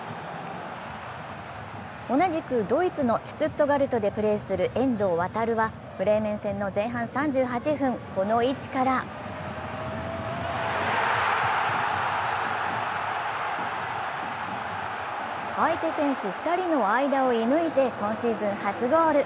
同じくドイツのシュツットガルトでプレーする遠藤航はブレーメン戦の前半３８分、この位置から相手選手２人の間を射ぬいて今シーズン初ゴール。